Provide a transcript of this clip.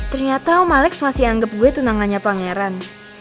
ternyata om alex masih anggap gue tunangannya pangeran